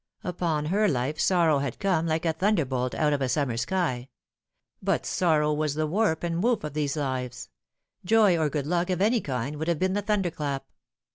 Upon her life sorrow had come, like a thunderbolt out of a summer sky ; but sorrow was the warp and woof of these lives ; joy or good luck of any kind would have been the thunderclap.